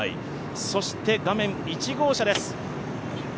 そして画面、１号車です。